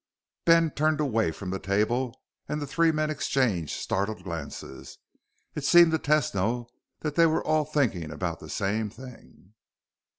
Ben turned away from the table, and the three men exchanged startled glances. It seemed to Tesno that they were all thinking about the same thing.